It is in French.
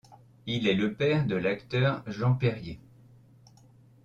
Il est le père de l'acteur Jean Périer.